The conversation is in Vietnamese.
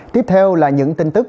tiếp theo là những tin tức